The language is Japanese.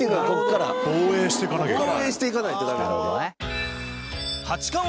富澤：防衛していかなきゃいけない。